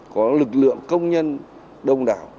có lực lượng công nhân đông đảo